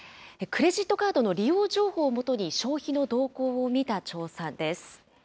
クレジットカードの利用情報を基に消費の動向を見た調査です。